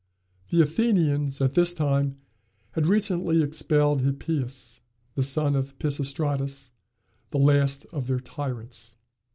The Athenians, at this time, had recently expelled Hippias the son of Pisistratus, the last of their tyrants.